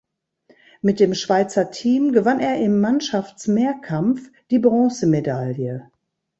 Mit dem Schweizer Team gewann er im Mannschaftsmehrkampf die Bronzemedaille.